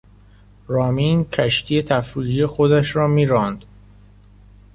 رامین کشتی تفریحی خود را خودش میراند.